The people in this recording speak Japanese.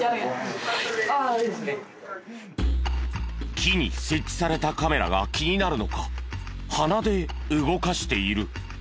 木に設置されたカメラが気になるのか鼻で動かしている。